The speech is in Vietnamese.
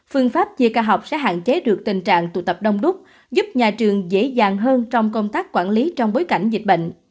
phương pháp chia ca học sẽ hạn chế được tình trạng tụ tập đông đúc giúp nhà trường dễ dàng hơn trong công tác quản lý trong bối cảnh dịch bệnh